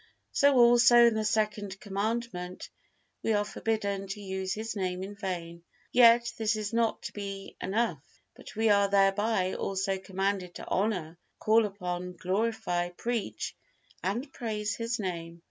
So also in the Second Commandment we are forbidden to use His Name in vain. Yet this is not to be enough, but we are thereby also commanded to honor, call upon, glorify, preach and praise His Name.